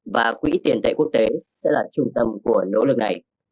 và quỹ tiền tệ quốc tế sẽ là trung tâm của nỗ lực này